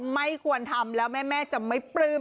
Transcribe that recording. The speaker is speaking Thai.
ไม่ควรทำแล้วแม่จะไม่ปลื้ม